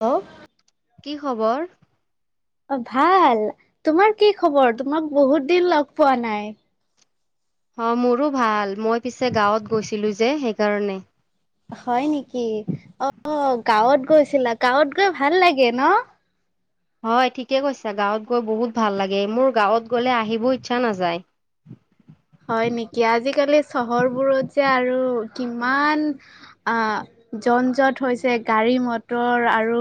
Hello কি খবৰ অ ভাল তোমাৰ কি খবৰ তোমাক বহুত দিন লগ পোৱা নাই অ মোৰো ভাল মই পিছে গাঁৱত গৈছিলো যে সেইকাৰণে হয় নেকি অ অ অ গাঁৱত গৈছিলা গাঁৱত গৈ ভাল লাগে ন হয় ঠিকে কৈছা গাঁৱত গৈ বহুত ভাল লাগে মোৰ গাঁৱত গলে আহিবও ইচ্ছা নাযায় উ হয় নেকি আজিকালি চহৰবোৰত যে আৰু কিমান আ জন জট হৈছে গাড়ী মটৰ আৰু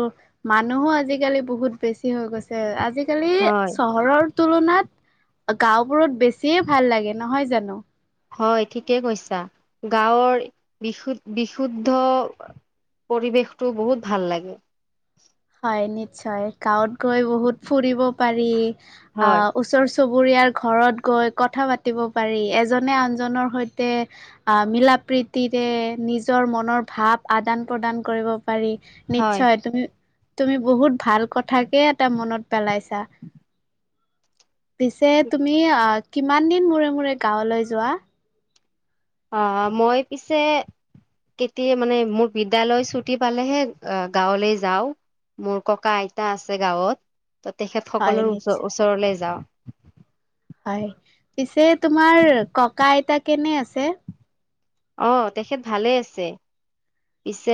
মানুহো আজিকালি বহুত বেছি হৈ গৈছে আজিকালি হয়। চহৰৰ তুলনাত গাঁওবোৰত বেছিয়ে ভাল লাগে নহয় জানো হয় ঠিকেই কৈছা গাঁৱৰ বিশু বিশুদ্ধ পৰিৱেশটো বহুত ভাল লাগে হয় নিশ্চয় গাঁৱত গৈ বহুত ফুৰিব পাৰি অ হয়। ওচৰ চুবুৰীয়াৰ ঘৰত গৈ কথা পাতিব পাৰি এজনে আনজনৰ সৈতে মিলা প্ৰীতিৰে নিজৰ মনৰ ভাৱ আদান প্ৰদান কৰিব পাৰি হয় নিশ্চয় তুমি তুমি বহুত ভাল কথাকে এটা মনত পেলাইছা পিছে তুমি কিমান দিন মূৰে মূৰে গাঁৱলৈ যোৱা অ মই পিছে কেতিয়া মানে মোৰ বিদ্যালয় ছুটি পালেহে গাঁৱলৈ যাওঁ মোৰ ককা আইতা আছে গাঁৱত ত তেখেত সকলো হয় ওচ নিশ্চয় ওচৰলে যাওঁ হয় পিছে তোমাৰ ককা আইতা কেনে আছে অ তেখেত ভালে আছে পিছে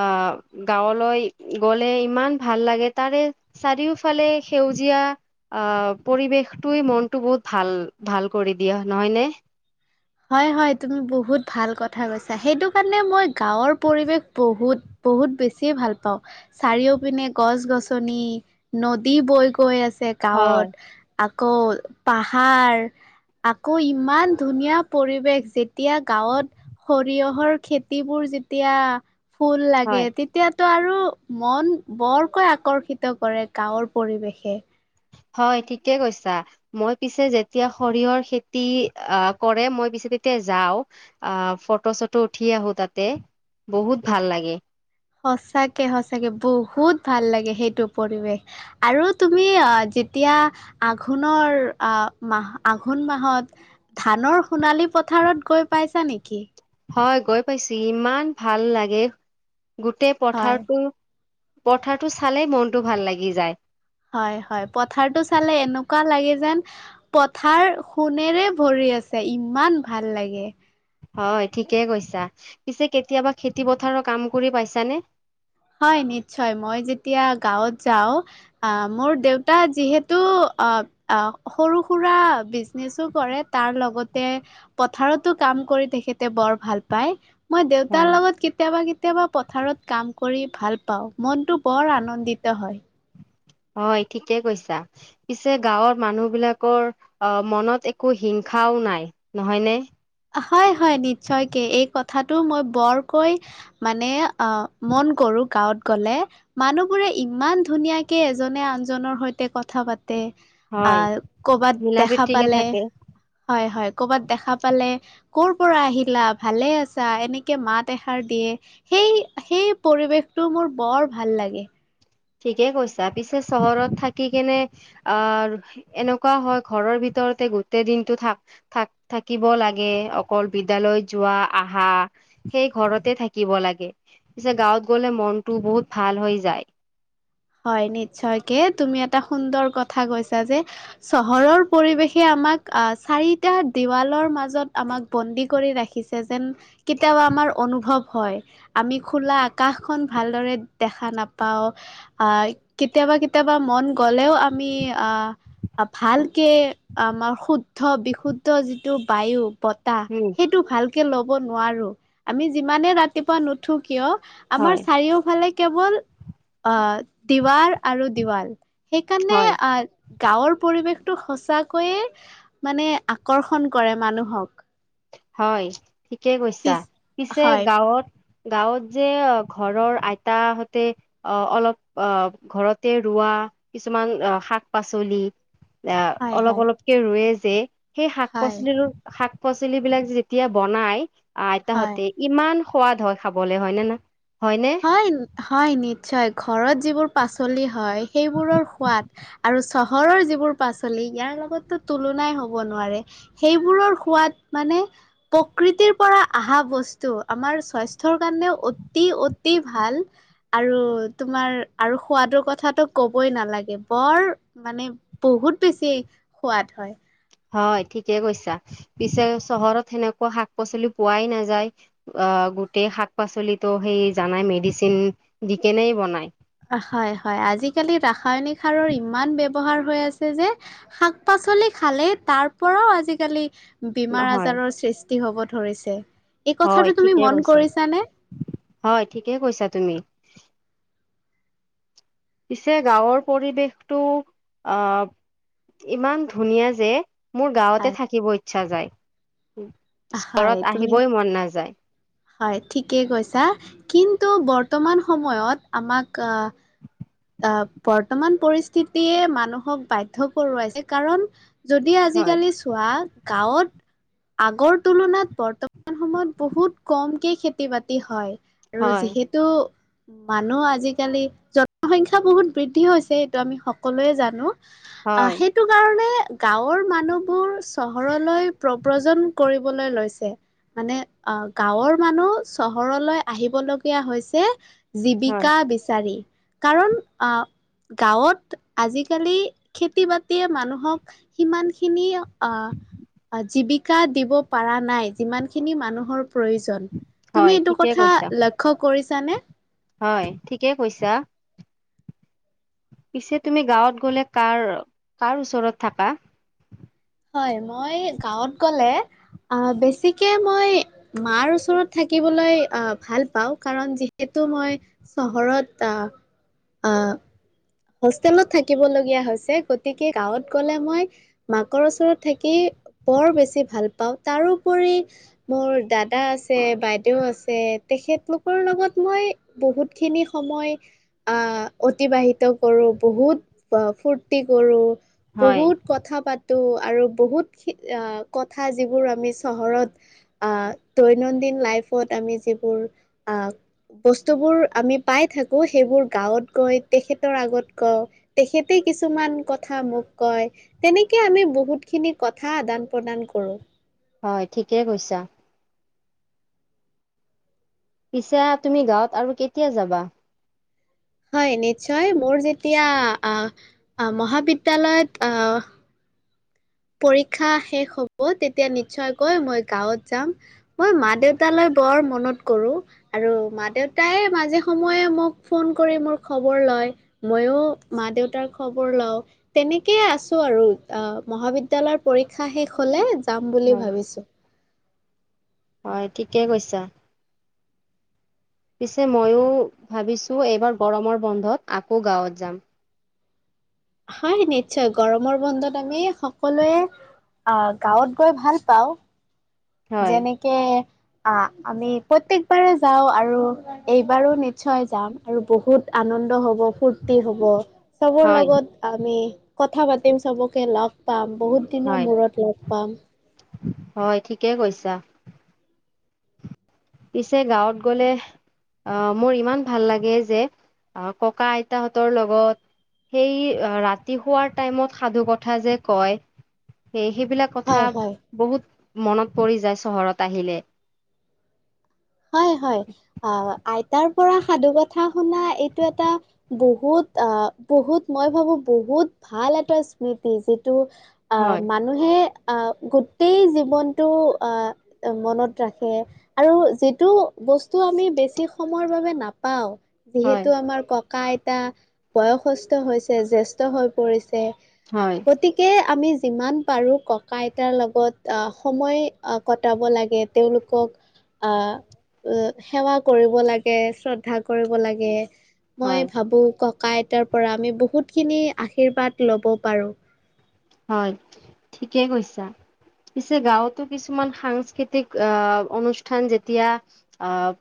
অহ গাঁৱলৈ গলে ইমান ভাল লাগে তাৰে চাৰিওফালে সেউজীয়া আহ পৰিৱেশটোৱে মনটো বহুত ভাল ভাল কৰি দিয়ে নহয়নে হয় হয় তুমি বহুত ভাল কথা কৈছা সেইটো কাৰণে মই গাঁৱৰ পৰিৱেশ বহুত বহুত বেছিয়ে ভাল পাওঁ চাৰিওপিনে গছ-গছনি, নদী বৈ গৈ আছে গাঁৱত হয় আকৌ পাহাৰ আকৌ ইমান ধুনীয়া পৰিৱেশ যেতিয়া গাঁৱত সৰিয়হৰ খেতিবোৰ যেতিয়া ফুল লাগে হয়। তেতিয়া তো আৰু মন বৰকৈ আকৰ্ষিত কৰে গাঁৱৰ পৰিৱেশে হয় ঠিকে কৈছা মই পিছে যেতিয়া সৰিয়হৰ খেতি অ কৰে মই পিছে তেতিয়া যাওঁ অহ ফটো চটো উঠি আহো তাতে বহুত ভাল লাগে সঁচাকে সঁচাকে বহুত ভাল লাগে সেইটো পৰিৱেশ আৰু তুমি অ যেতিয়া আঘোণৰ মাহ আঘোণ মাহত ধানৰ সোণালী পথাৰত গৈ পাইছা নেকি? হয় গৈ পাইছোঁ ইমান ভাল লাগে গোটেই হয় পথাৰটো পথাৰটো চালেই মনটো ভাল লাগি যায় হয় হয় পথাৰটো চালে এনেকুৱা লাগে যেন পথাৰ সোণেৰে ভৰি আছে ইমান ভাল লাগে হয় ঠিকে কৈছা। পিছে কেতিয়াবা খেতি পথাৰৰ কাম কৰি পাইছানে? হয় নিশ্চয়। মই যেতিয়া গাঁৱত যাওঁ অহ মোৰ দেউতা যিহেতু অ সৰু সুৰা বিজনেছো কৰে তাৰ লগতে পথাৰতো কা ম কৰি তেখেতে বৰ ভাল পাই মই দেউতাৰ হয় লগত কেতিয়াবা কেতিয়াবা পথাৰত কাম কৰি ভাল পাওঁ মনটো বৰ আনন্দিত হয় হয় ঠিকে কৈছা পিছে গাঁৱৰ মানুহ বিলাকৰ অ মনত একো হিংসা ও নাই নহয় নে হয় হয় নিশ্চয়কে এই কথাটো মই বৰকৈ মানে মন কৰোঁ গাঁৱত গ'লে মানুহ বোৰে ইমান ধুনীয়াকে এজনে আনজনৰ সৈতে কথা পা তে হয় কৰবাত মিলা দেখা প্ৰীতিকে পালে থাকে হয় হয় কৰবাত দেখা পালে কৰ পৰা আহিলা? ভালে আছা? এনেকে মাত এষাৰ দিয়ে সেই সেই পৰিৱেশটো মোৰ বৰ ভাল লাগে ঠিকে কৈছা পিছে চহৰত থাকি কেনে আৰ এনেকুৱা হয় ঘৰৰ ভিতৰত ভিতৰতে গোটেই দিনটো থাক সেই ঘৰতে থাকিব লাগে। পিছে গাঁৱত গ'লে মনটো বহুত ভাল হৈ যায় হয় নিশ্চয়কে তুমি এটা সুন্দৰ কথা কৈছা যে চহৰৰ পৰিৱেশে আমাক চাৰিটা দেৱালৰ মাজত আমাক বন্দী কৰি ৰাখিছে যেন কেতিয়াবা আমাৰ অনুভৱ হয় আমি খোলা আকাশখন ভালদৰে দেখা নাপাওঁ আহ কেতিয়াবা কেতিয়াবা মন গলেও আমি আহ ভালকে আমাৰ শুদ্ধ- বিশুদ্ধ যিটো বায়ু বতাহ উম সেইটো ভালকে ল'ব নোৱাৰো আমি যিমানে ৰাতিপুৱা নুঠো কিয় আমাৰ হয় চাৰিওফালে কেৱল অহ দিৱাৰ আৰু দিৱাল সেইকাৰণে হয় আহ গাঁৱৰ পৰিৱেশ টো সঁচাকৈয়ে মানে আকৰ্ষণ কৰে মানুহক হয় ঠিকেই কৈছা পিছ পিছে হয় গাঁৱত গাঁৱত যে ঘৰৰ আইতা হতে অ অলপ অ ঘৰতে ৰোৱা কিছুমান অ শাক-পাচলি আহ হয় অলপ হয় অলপকে ৰুয়ে যে সেই শাক হয় পাচলিৰো শাক পাচলিবিলাক যেতিয়া বনাই আহ হয় আইতাহঁতে ইমান সোৱাদ হয় খাবলে হয় নে হয় হয় নিশ্চয় ঘ ঘৰত যিবোৰ পাচলি হয় সেইবোৰৰ সোৱাদ আৰু চহৰৰ যিবোৰ পাচলি ইয়াৰ লগত তুলনাই হ'ব নোৱাৰে সেইবোৰৰ সোৱাদ মানে প্ৰকৃতিৰ পৰা আহ সা বস্তু আমাৰ স্বাস্থ্যৰ কাৰণে অতি অতি ভাল আৰু তোমাৰ আৰু সোৱাদৰ কথাটো ক'বই নালাগে বৰ মানে বহুত বেছি সোৱাদ হয় হয় ঠিকে কৈছা পিছে চহৰত সেনেকুৱা শাক পাচলি পোৱাই নাযায় অ গোটেই শাক পাচলিতো সেই জানাই মেডিচিন দি কেনে বনাই হয় হয় আজিকালি ৰাসায়নিক সাৰৰ ইমান ব ব্যৱহাৰ হৈ আছে যে শাক পাচলি খালে তাৰ পৰাও আজিকালি বীমাৰ হয় আজাৰৰ সৃষ্টি হ'ব ধৰিছে এই হয় কথাটো তুমি ঠিকে মন কৈছা কৰিছানে হয় ঠিকে কৈছা তুমি পিছে গাঁৱৰ পৰিৱেশটো আহ ইমান ধুনীয়া যে মোৰ গাঁৱতে হয় থাকিব ইচ্ছা যায় হয় ঘৰত তুমি আহিবই মন নাযায় হয় ঠিকেই কৈছা কিন্তু বৰ বৰ্তমান সময়ত আমাক আহ বৰ্তমান পৰিস্থিতিয়ে মানুহক বাধ্য কৰোৱাইছে কাৰণ যদি হয় আজিকালি চোৱা গাঁৱত আগৰ তুলনাত বৰ্তমান সময়ত বহুত কমকে খেতি বাতি হয় আৰু হয় যিহেতু মানুহ আজিকালি সংখ্যা বহুত বৃদ্ধি হৈছে এইটো আমি সকলোৱে জানো আহ হয় সেইটো কাৰণে গাঁৱৰ মানুহবোৰ চহৰলৈ প্ৰব্ৰজন কৰিবলৈ লৈছে মানে আহ গাঁৱৰ মানুহ চহৰলৈ আহিবলগীয়া হৈছে হয় জীৱিকা বিচাৰি কাৰণ আহ গাঁৱত আজিকালি খেতি বাতিয়ে মানুহক সিমানখিনি আহ জীৱিকা দিব পৰা নাই যিমান খিনি মানুহৰ প্ৰয়োজন হয় তুমি এইটো ঠিকে কথা কৈছা লক্ষ্য কৰিছানে হয় ঠিকে কৈছা পিছে তুমি গাঁৱত গলে কাৰ কাৰ ওচৰত থাকা হয় মই গাঁৱত গলে আহ বেছিকে মই মাৰ ওচৰত থাকিবলৈ আহ ভাল পাওঁ কাৰ যিহেতু মই চহৰত আহ [inaudible] হোষ্টেলত থাকিবলগীয়া হৈছে গতিকে গাঁৱত গলে মই মাকৰ ওচৰত থাকি বৰ বেছি ভাল পাওঁ তাৰোপৰি মোৰ দাদা আছে বাইদেউ আছে তেখেতলোকৰ লগত মই বহুতখিনি সময় অতিবাহিত কৰো বহুত ফূুৰ্তি কৰো হয় বহুত কথা প ত আৰু বহুত কথা যিবোৰ আমি চহৰত দৈনন্দিন আমি যোৰ বস্তুবোৰ আমি পাই থাকো সেইবোৰ গাঁৱত গৈ তেখেত আগত কওঁ তেখেতে কিছুমান কথা মোক কয় তেনেকে আমি বহুত খিনি কথা আদান প্ৰদান কৰোঁ হয় ঠিকেই কৈছা পিছে তুমি গাঁৱত আৰু কেতিয়া যাবা হয় নিশ্চয় মোৰ যেতিয়া মহাবিদ্যালয়ত পৰীক্ষা শেষ হ'ব তেতিয়া নিশ্চয়কৈ মই গাঁৱত যাম মই মা দেউতালৈ [unintelligible] বৰ মনত কৰো আৰু মা দেউতাই মাজে সময়ে মোক ফোন কৰি ম খ মইয়ো মা দেউতাৰ খবৰ লওঁ তেনেকে আছো আৰু আহ মহাবি্ [unintelligible] বিদ্যয়ালয়ৰ পৰীক্ষা শেষ হলে যাম বুলি হয় ভাবিছো হয় ঠিকেই কৈছা পিছে ময়ো ভাবিছোঁ এইবাৰ গৰমৰ বন্ধত আকৌ গাঁৱত যাম হয় নিশ্চয়। আহ গাঁৱত গৈ ভাল পাও হয় যেনেকে। অ আমি। হব ফূুৰ্তি হ'ব চবৰ হয় লগত আমি। কথা পাতিম চবকে লগ পাম বহুত দিনৰ হয় মূৰত লগ পাম। হয় ঠিকেই কৈছা। পিছে গাঁৱত গলে। অ মোৰ ইমান ভাল লাগে যে ককা আইটা হতৰ লগত [unintelligible] সেই ৰাতি শোৱাৰ টাইমত সাধু কথা যে কয়। স সেইবিলাক কথা হয় হয় বহুত মনত পৰি যায় চহৰত আহিলে। হয় হয় আইতাৰ। পৰা সাধু কথা শুনা এইটো এটা, বহুত আ বহুত মই ভাবো বহুত। ভাল এটা স্মৃতি, যিটো হয় আহ মানুহে। গোটেই জীৱনটো, মনত ৰাখে আৰু যি। টো বস্তু আমি বেছি সময়ৰ বাবে নাপাওঁ, হয় যিহেতু আমাৰ ককইত। এটা বয়সস্থ হৈছে, জেষ্ঠ হৈ পৰিছে হয় গতিকে আমি। যিমান পাৰো ককা আইতাৰ লগত আহ সময় কটাব লাগে তেওঁলোকক। আহ। অ সেৱা কৰিব লাগে শ্ৰদ্ধা কৰিব লাগে, মই হয় ভাবো কক। ককা আইতাৰ পৰা আমি বহুতখিনি আশীৰ্বাদ ল'ব পাৰো। হয় ঠিকেই কৈছা। পিছে গাঁৱতো কিছুমান সাংস্কৃতিক আহ অনুষ্ঠান যেতিয়া, আহ।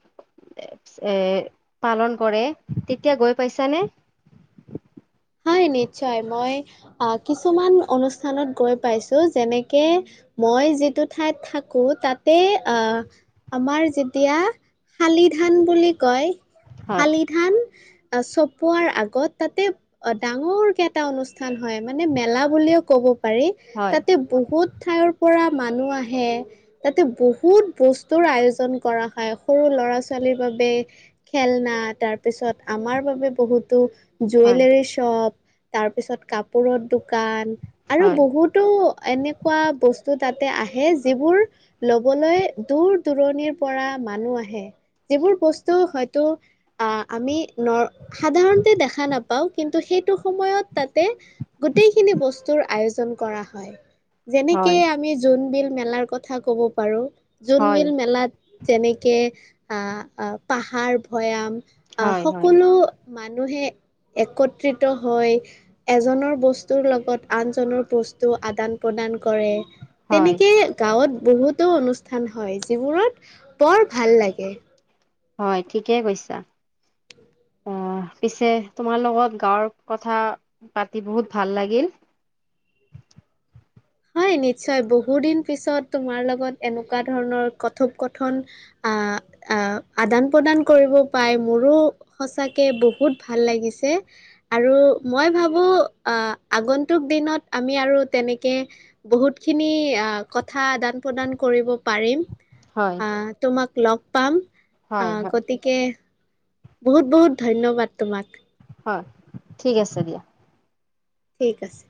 এৰ পালন কৰে, তেতিয়া গৈ পাইছানে। হয় নিশ্চয় মই আহ কিছুমান অনুষ্ঠানত গৈ পাইছো যেনেকে। মই যিটো ঠাইত থাকো তাতে, আহ আমাৰ যেতিয়া। শালি ধান বুলি কয়। হয় শালি ধান, চপোৱাৰ আগত তাতে। অ ডাঙৰ কেটা অনুষ্ঠান হয় মানে মেলা বুলিও ক'ব। হয় তাতে বহুত ঠাইৰ পৰা। মানুহ আহে তাতে বহুত বস্তুৰ আয়োজন কৰা হয় সৰু ল'ৰা ছোৱালীৰ বাবে। খেলনা তাৰ। তাৰপিছত আমাৰ বাবে বহুতো হয় জুৱেলৰ শ্বপ তাৰপিছত কাপত। দোকান আৰু হয় বহুতো এনেকুৱা বস্তু। তাতে আহে যিবোৰ, লবলৈ দূৰ দূৰণিৰ পৰা, মানুহ আহে। সবোৰ বস্তু হয়তো, আ আমি ন সাধাৰণতে দেখা নাপাওঁ। কিন্তু সেইটো সময়ত তাতে গোটেইখিনি বস্তুৰ আয়োজন কৰা হয়। যেনেকে হয় আমি জোনবল মেলাৰ কথা কব পাৰো। হয়, জোনবিল। অহ হয়, হয়, সকলো মানুহে। একত্ৰিত হৈ এজনৰ বস্তুৰ লগত, আনজনৰ বস্তু আদান প্ৰদান। কৰে, হয়, তেনেকে গাঁৱত বহুত। অনুষ্ঠান হয় যিবোৰত বৰ ভাল লাগে। হয় ঠিকেই কৈছা, আহ। পিছে তোমাৰ লগত গাঁৱৰ কথা পাতি, বহুত ভাল লাগিল। [unintelligible] হয় নিশ্চয় বহু দিন পিছত তোমাৰ লগত এনেকুৱা ধৰণৰ কথোপ কথন। আহ আদান প্ৰদান কৰিব, পাই মোৰো সঁচাকে বহুত ভাল লাগিছে। আৰু মই ভাবো, আহ আগন্তুক দিনত আমি আৰু তেনেকে। বহুত খিনি আহ কথা আদান প্ৰদান কৰিব পাৰিম। হয়, আহ তোমাক লগ পাম, হয়, আহ হয়, গতিকে। বহুত বহুত ধন্যবাদ তোমাক। হয় ঠিক আছে দিয়া। ঠিক আছে।